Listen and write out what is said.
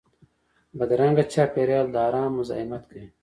بدرنګه چاپېریال د ارام مزاحمت کوي